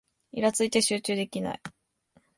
イラついて集中できない